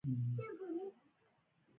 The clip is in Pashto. ما لومړی ځل هغه څلور ويشت کاله وړاندې وليد.